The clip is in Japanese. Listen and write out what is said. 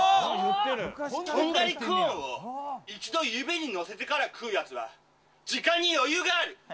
とんがりコーンを一度指にのせてから食うやつは、時間に余裕がある。